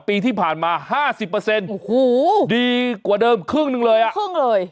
ปีที่ผ่านมาห้าสิบเปอร์เซ็นต์โอ้โหดีกว่าเดิมครึ่งหนึ่งเลยครึ่งเลย